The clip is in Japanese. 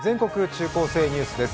中高生ニュース」です